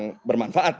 bola yang bermanfaat